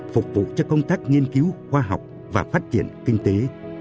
phục vụ cho công tác nghiên cứu khoa học và phát triển kinh tế